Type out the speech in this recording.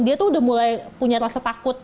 dia tuh udah mulai punya rasa takut